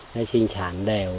nó sinh sản đều